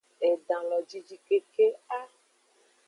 Edan lo jinjin ke a!